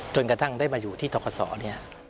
จนกระทั่งได้มาอยู่ที่ธกษ์ศร